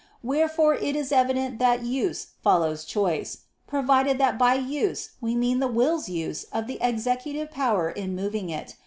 Wherefore it is evident that use follows choice; provided that by use we mean the will's use of the executive power in moving it.